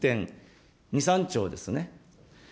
１．２、３兆ですね。